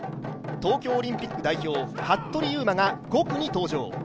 東京オリンピック代表・服部勇馬が５区に登場。